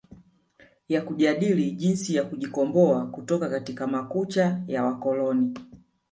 wa kujadili jinsi ya kujikomboa kutoka katika makucha ya wakoloni